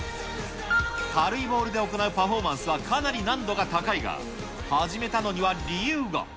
軽いボールで行うパフォーマンスはかなり難度が高いが、始めたのには理由が。